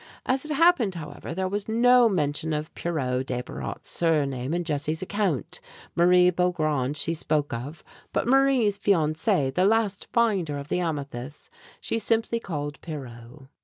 As it happened, however, there was no mention of Pierrot Desbarat's surname in Jessie's account. Marie Beaugrand she spoke of, but Marie's fiancé, the last finder of the amethyst, she simply called Pierrot.